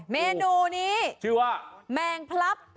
แม่งพลับ